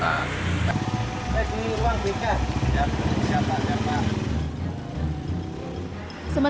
saya di ruang bk di jawa timur